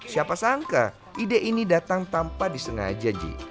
siapa sangka ide ini datang tanpa disengaja ji